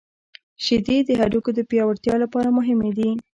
• شیدې د هډوکو د پیاوړتیا لپاره مهمې دي.